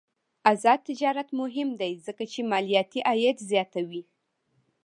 آزاد تجارت مهم دی ځکه چې مالیاتي عاید زیاتوي.